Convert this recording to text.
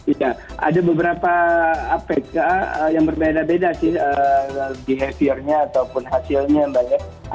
iya ada beberapa apk yang berbeda beda sih behavior nya ataupun hasilnya mbak